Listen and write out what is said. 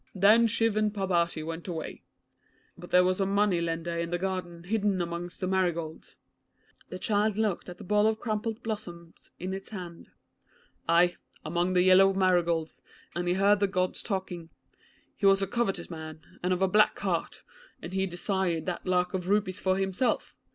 Then Shiv and Parbati went away.' 'But there was a money lender in the garden hidden among the marigolds' the child looked at the ball of crumpled blossoms in its hands 'ay, among the yellow marigolds, and he heard the Gods talking. He was a covetous man, and of a black heart, and he desired that lakh of rupees for himself.